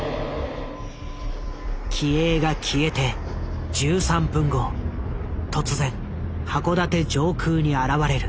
機影が消えて１３分後突然函館上空に現れる。